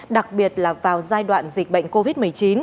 đặc biệt là vào giai đoạn dịch bệnh covid một mươi chín